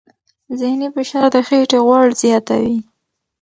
ذهني فشار د خېټې غوړ زیاتوي.